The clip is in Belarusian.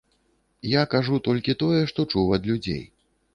Я кажу толькі тое, што чуў ад людзей.